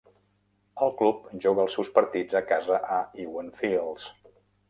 El club juga els seus partits a casa a Ewen Fields.